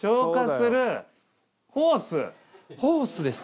ホースです。